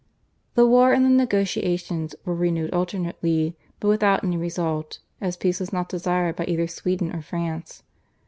The war and the negotiations were renewed alternately, but without any result as peace was not desired by either Sweden or France.